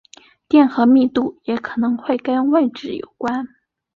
电荷密度也可能会跟位置有关。